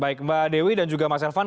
baik mbak dewi dan juga mas elvan